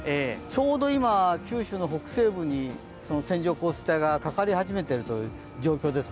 ちょっと今、九州の北西部に線状降水帯がかかり始めている状況です。